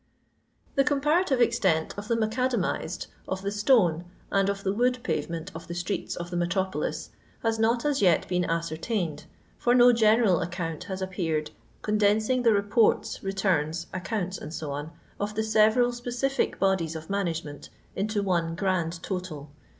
The comparative extent of the macadamized, of the stone, and of the wood pavement of the streets of the metropolis has not as yet been ascertained, for no genend account has appeared condensing the reports, returns, accounts, &c, of the several specific bodies of management into one grand total.